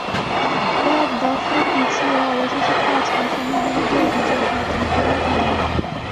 কয়েক দফায় পিছিয়ে অবশেষে পাঁচ আসামির বিরুদ্ধে অভিযোগ গঠন করেন আদালত।